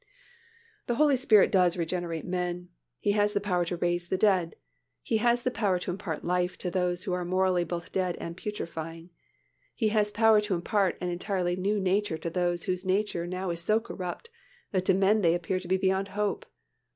The Holy Spirit does regenerate men. He has power to raise the dead. He has power to impart life to those who are morally both dead and putrefying. He has power to impart an entirely new nature to those whose nature now is so corrupt that to men they appear to be beyond hope.